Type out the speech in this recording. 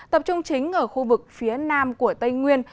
tập trung chính ở khu vực phía nam của tây nguyên